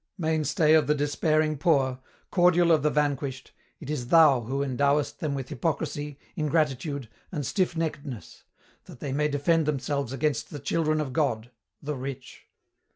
"Mainstay of the despairing Poor, Cordial of the Vanquished, it is thou who endowest them with hypocrisy, ingratitude, and stiff neckedness, that they may defend themselves against the children of God, the Rich.